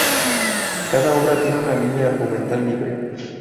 Cada obra tiene una línea argumental libre.